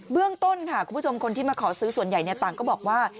เรื่องต้นค่ะคุณผู้ชมคนที่มาขอซื้อส่วนใหญ่ต่างก็บอกว่า